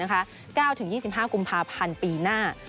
๙๒๕กุมภาพันธ์ปีหน้า